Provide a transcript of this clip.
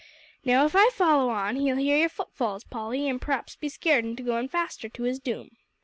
Now, if I follow on he'll hear your foot falls, Polly, an' p'raps be scared into goin' faster to his doom.